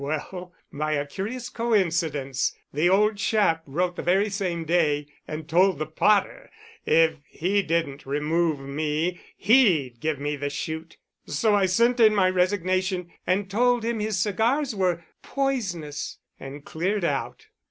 "Well, by a curious coincidence, the old chap wrote the very same day, and told the pater if he didn't remove me he'd give me the shoot. So I sent in my resignation, and told him his cigars were poisonous, and cleared out."